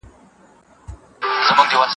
دا ښکلي - ښکلي چي مي کله و نظر ته راسي